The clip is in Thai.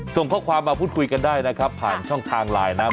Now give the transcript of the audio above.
ส่งข้อความมาพูดคุยกันได้นะครับผ่านช่องทางไลน์นะ